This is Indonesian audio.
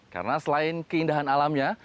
karena selain keindahan alamnya